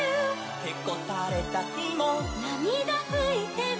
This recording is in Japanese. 「へこたれたひも」「なみだふいても」